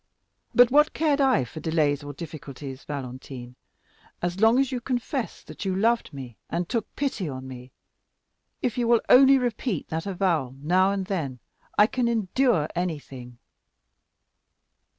But what cared I for delays or difficulties, Valentine, as long as you confessed that you loved me, and took pity on me? If you will only repeat that avowal now and then, I can endure anything."